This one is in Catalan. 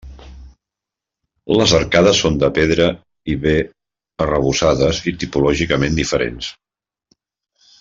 Les arcades són de pedra i bé arrebossades i tipològicament diferents.